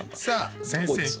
さあ先生